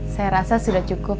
saya rasa sudah cukup